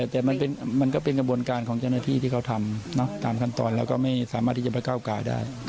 แต่มันก็เป็นกระบวนการของเจ้าหน้าที่ที่เขาทำตามขั้นตอนเราก็ไม่สามารถที่จะไปก้าวกายได้